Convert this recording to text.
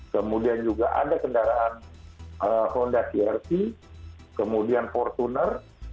kemudian juga ada kendaraan honda cr v kemudian fortuner